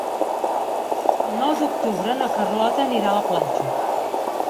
El nou d'octubre na Carlota anirà a la platja.